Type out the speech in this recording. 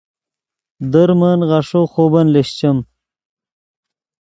در من غیݰے خوبن لیشچیم